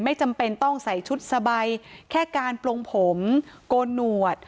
จำเป็นต้องใส่ชุดสบายแค่การปลงผมโกนหนวด